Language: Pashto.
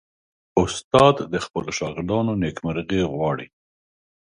استاد د خپلو شاګردانو نیکمرغي غواړي.